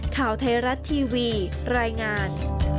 ข่าวไทยรัฐทีวีรายงาน